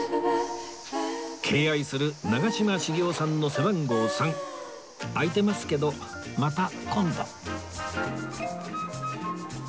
敬愛する長嶋茂雄さんの背番号３空いてますけどまた今度